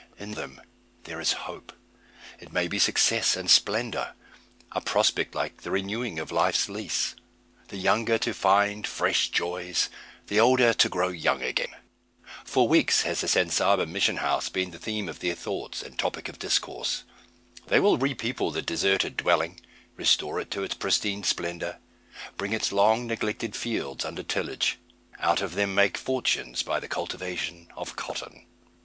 In the untried field before them there is hope; it may be success and splendour; a prospect like the renewing of life's lease, the younger to find fresh joys, the older to grow young again. For weeks has the San Saba mission house been the theme of their thoughts, and topic of discourse. They will re people the deserted dwelling, restore it to its pristine splendour; bring its long neglected fields under tillage out of them make fortunes by the cultivation of cotton.